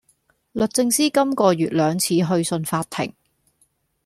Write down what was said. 律政司今個月兩次去信法庭